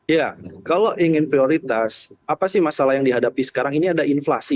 ya kalau ingin prioritas apa sih masalah yang dihadapi sekarang ini ada inflasi